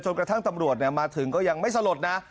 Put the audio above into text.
กระทั่งตำรวจมาถึงก็ยังไม่สลดนะ